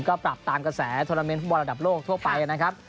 ก็ปรับตามกระแสโทรเมนต์ฟุตบอลระดับโลกทั่วไปนะครับ